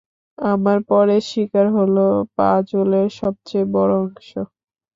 আমার পরের শিকার হলো পাজলের সবচেয়ে বড় অংশ।